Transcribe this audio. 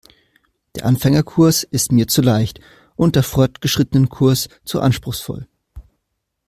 Der Anfängerkurs ist mir zu leicht und der Fortgeschrittenenkurs zu anspruchsvoll.